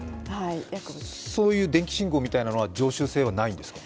そういう電気信号みたいなのは、常習性はないんですか？